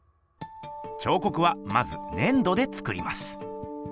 ちょうこくはまずねん土で作ります。